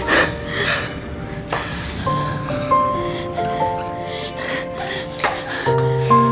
tetap berlihat di kalender